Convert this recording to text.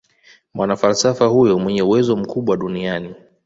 mwanafalsafa huyo mwenye uwezo mkubwa duniani